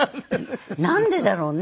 なんでだろうね？